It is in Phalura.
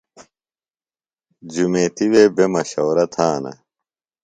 جُمیتیۡ وے بےۡ مشورہ تھانہ۔